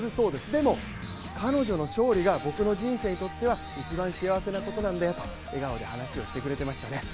でも彼女の勝利が僕の人生にとっては一番幸せなことなんだよと笑顔で話をしてくれていましたね。